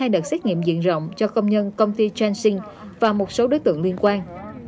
đạt xét nghiệm diện rộng cho công nhân công ty janssen và một số đối tượng liên quan